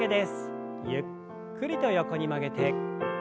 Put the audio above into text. ゆっくりと横に曲げて。